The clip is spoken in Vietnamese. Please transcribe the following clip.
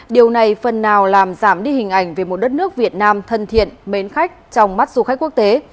điều này phần nào làm giảm đi hình ảnh về một đất nước việt nam thân thiện mến khách trong mắt du khách quốc tế